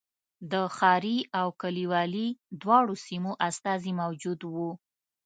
د ښاري او کلیوالي دواړو سیمو استازي موجود و.